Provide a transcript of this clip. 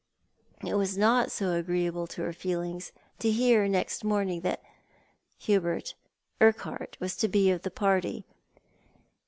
It was not so agreeable to her feelings to hear next morning that Hubert Urquhart was to be of the party.